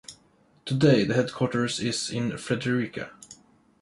Today the headquarters is in Fredericia.